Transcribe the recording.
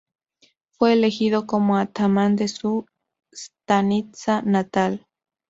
Fue elegido como atamán de su "stanitsa" natal.